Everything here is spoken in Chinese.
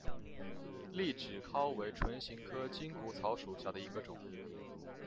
痢止蒿为唇形科筋骨草属下的一个种。